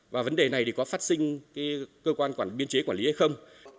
và vấn đề này thì có phát sinh cơ quan quản biên chế quản lý hay không